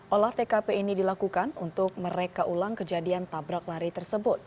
olah tkp ini dilakukan untuk mereka ulang kejadian tabrak lari tersebut